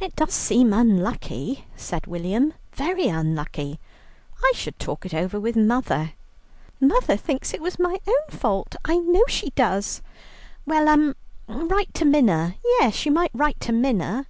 "It does seem unlucky," said William, "very unlucky. I should talk it over with mother." "Mother thinks it was my own fault. I know she does." "Well um write to Minna; yes, you might write to Minna."